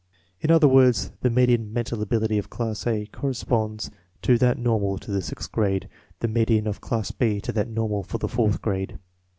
In other words, the median mental ability of class A cor responds to that normal to the sixth grade; the median of class B to that normal for the fourth grade.